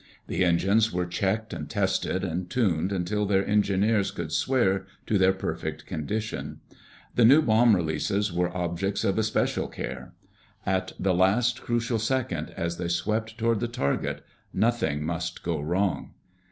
The engines were checked and tested and tuned until their engineers could swear to their perfect condition. The new bomb releases were objects of especial care. At the last crucial second as they swept toward the target, nothing must go wrong.